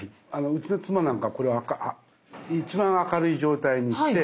うちの妻なんかこれ一番明るい状態にして。